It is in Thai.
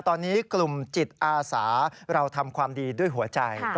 ตอนนี้กลุ่มจิตอาสาเราทำความดีด้วยหัวใจ